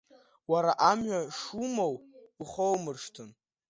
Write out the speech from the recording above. Уара амҩа шумоу ухоумыршҭын.